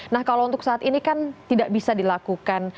nah kalau untuk saat ini kan tidak bisa dilakukan